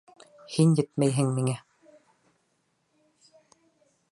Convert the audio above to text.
Һин етмәйһең миңә.